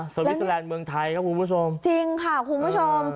วิสเตอร์แลนด์เมืองไทยครับคุณผู้ชมจริงค่ะคุณผู้ชม